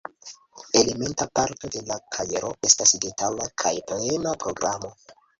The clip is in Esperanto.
Elementa parto de la kajero estas detala kaj plena programo.